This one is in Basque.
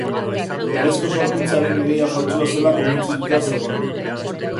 Berezko sorkuntzaren ideia faltsua zela konbentzituta zegoen.